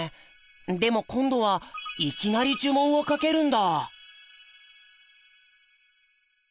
でも今度はいきなり呪文をかけるんだ。